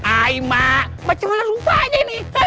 aduh mak macam mana rupanya ini